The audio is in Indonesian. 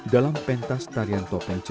dalam pentas tarian topeng